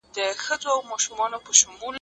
غيبت، حسد او بغض ياني د زړه دښمني حرام کارونه دي.